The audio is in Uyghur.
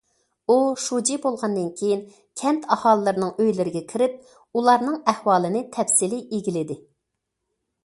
ئۇ شۇجى بولغاندىن كېيىن، كەنت ئاھالىلىرىنىڭ ئۆيلىرىگە كىرىپ، ئۇلارنىڭ ئەھۋالىنى تەپسىلىي ئىگىلىدى.